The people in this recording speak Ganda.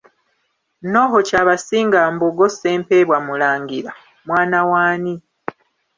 Noho Kyabasinga Mbogo Ssempebwa mulangira, mwana w'ani?